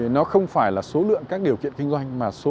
nó không phải là số lượng các điều kiện kinh doanh